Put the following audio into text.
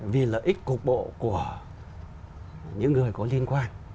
vì lợi ích cục bộ của những người có liên quan